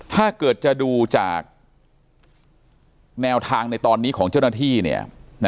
ถ้าเกิดจะดูจากแนวทางในตอนนี้ของเจ้าหน้าที่